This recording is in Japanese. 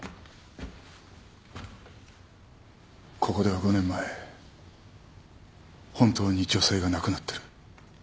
ここでは５年前本当に女性が亡くなってる。